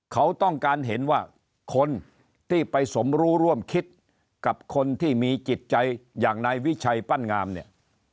เขาต้องการเห็นว่าคนที่ไปสมรู้ร่วมคิดกับคนที่มีจิตใจอย่างนายวิชัยปั้นงามเนี่ย